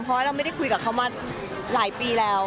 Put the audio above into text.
เพราะว่าเราไม่ได้คุยกับเขามาหลายปีแล้ว